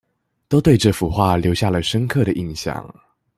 都對這幅畫留下了深刻的印象